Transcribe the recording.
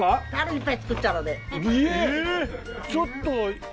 ちょっと。